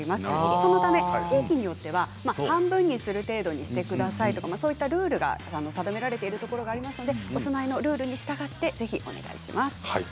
そのため地域によっては半分にする程度にしてくださいとか、そういったルールが定められているところがありますのでお住まいのルールに従って、ぜひお願いします。